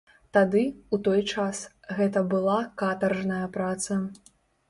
Тады, у той час, гэта была катаржная праца.